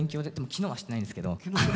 昨日はしてないんですけど。